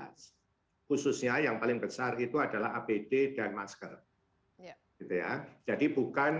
dari penanganan covid sembilan belas khususnya yang paling besar itu adalah apd dan masker ya jadi bukan